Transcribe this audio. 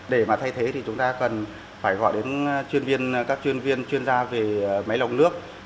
để mà thay thế thì chúng ta cần phải gọi đến chuyên viên các chuyên viên chuyên gia về máy lọc nước